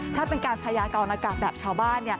ถ้าเป็นการพยากรอากาศแบบชาวบ้าน